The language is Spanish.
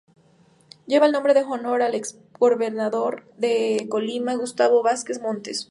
Lleva el Nombre en Honor al Ex-Gobernador de Colima Gustavo Vásquez Montes.